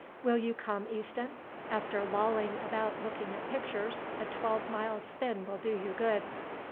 Will you come, Easton? After lolling about looking at pictures a twelve mile spin will do you good."